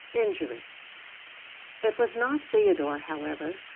II INJURY It was not Theodore, however.